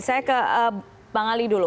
saya ke bang ali dulu